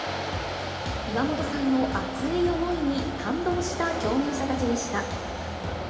岩本さんの熱い思いに感動した共演者たちでした。